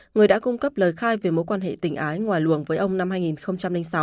người đã cung cấp lời khai về mối quan hệ tình ái ngoài luồng với ông năm hai nghìn sáu